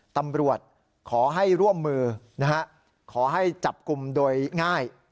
ตำรวจขอให้ร่วมมือนะฮะขอให้จับกลุ่มโดยง่าย